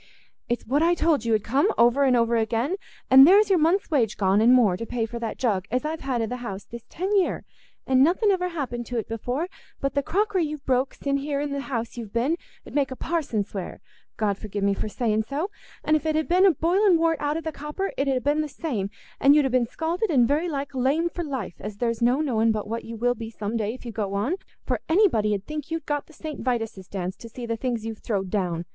"It's what I told you 'ud come, over and over again; and there's your month's wage gone, and more, to pay for that jug as I've had i' the house this ten year, and nothing ever happened to't before; but the crockery you've broke sin' here in th' house you've been 'ud make a parson swear—God forgi' me for saying so—an' if it had been boiling wort out o' the copper, it 'ud ha' been the same, and you'd ha' been scalded and very like lamed for life, as there's no knowing but what you will be some day if you go on; for anybody 'ud think you'd got the St. Vitus's Dance, to see the things you've throwed down.